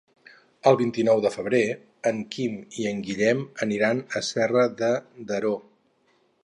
El vint-i-nou de febrer en Quim i en Guillem aniran a Serra de Daró.